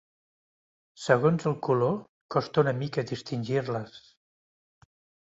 Segons el color costa una mica distingir-les.